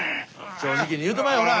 正直に言うてまえほら。